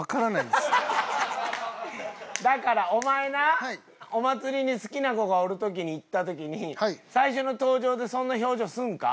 だからお前なお祭りに好きな子がおる時に行った時に最初の登場でそんな表情するんか？